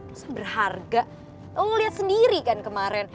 masa berharga lo liat sendiri kan kemaren